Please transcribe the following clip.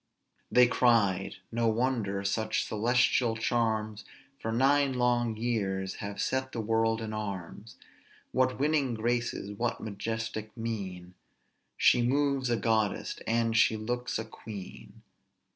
] "They cried, No wonder such celestial charms For nine long years have set the world in arms; What winning graces! what majestic mien! She moves a goddess, and she looks a queen."